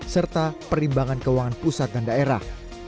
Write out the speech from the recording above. serta perimbangan keuangan pusat dan daerah